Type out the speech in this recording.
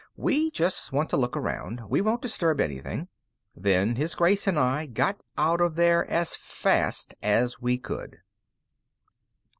"We just want to look around. We won't disturb anything." Then His Grace and I got out of there as fast as we could.